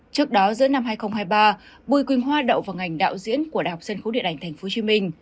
trước đó giữa năm hai nghìn hai mươi ba bùi quỳnh hoa đậu vào ngành đạo diễn của đại học sân khấu điện ảnh tp hcm